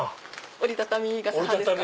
折り畳み傘派ですか？